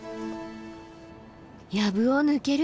やぶを抜けると。